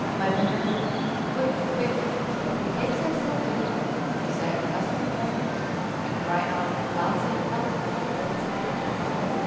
my Benvenuto, quick, quick, betake thyself to God with thy accustomed prayers, and cry out loudly, loudly!"